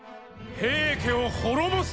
平家を滅ぼす。